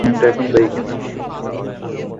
পরিষ্কারের নিয়মটি ছিল খুবই ভালো।